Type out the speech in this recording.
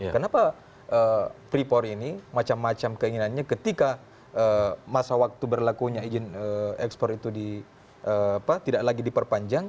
kenapa freeport ini macam macam keinginannya ketika masa waktu berlakunya izin ekspor itu tidak lagi diperpanjang